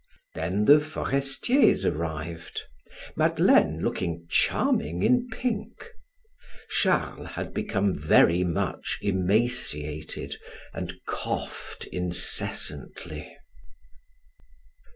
Then the Forestiers arrived, Madeleine looking charming in pink. Charles had become very much emaciated and coughed incessantly.